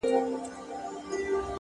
لوړې موخې ژور تمرکز غواړي،